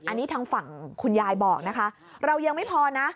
อันนี้ทางฝั่งคุณยายบอกนะคะเรายังไม่พอนะ